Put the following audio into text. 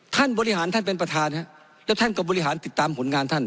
ท่านบริหารท่านเป็นประธานแล้วท่านก็บริหารติดตามผลงานท่าน